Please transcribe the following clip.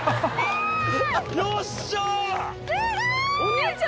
よっしゃ！